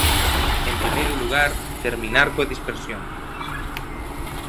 En primeiro lugar, terminar coa dispersión.